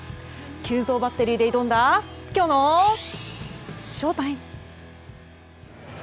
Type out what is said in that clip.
急造バッテリーで挑んだきょうのＳＨＯＴＩＭＥ。